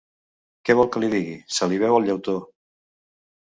Què vol que li digui, se li veu el llautó.